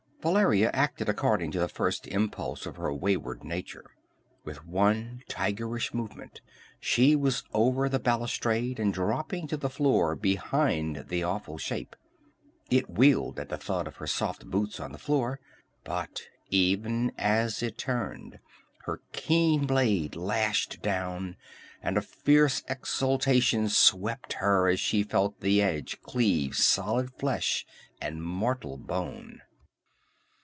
Valeria acted according to the first impulse of her wayward nature. With one tigerish movement she was over the balustrade and dropping to the floor behind the awful shape. It wheeled at the thud of her soft boots on the floor, but even as it turned, her keen blade lashed down, and a fierce exultation swept her as she felt the edge cleave solid flesh and mortal bone.